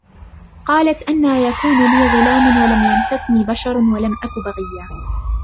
قالت أنى يكون لي غلام ولم يمسسني بشر ولم أك بغيا